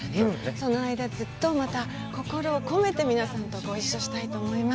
その間ずっとまた心を込めて皆さんとご一緒したいと思います。